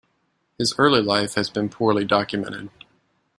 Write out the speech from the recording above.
His early life has been poorly documented.